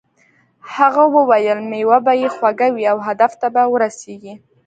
هغه وویل میوه به یې خوږه وي او هدف ته به ورسیږې.